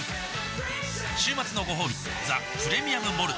週末のごほうび「ザ・プレミアム・モルツ」